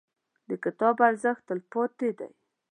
• د کتاب ارزښت، تلپاتې دی.